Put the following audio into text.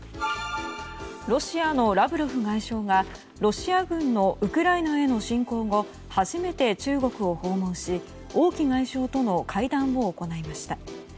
ロシアのラブロフ外相がロシア軍のウクライナへの侵攻後初めて中国を訪問し王毅外相との会談を行いました。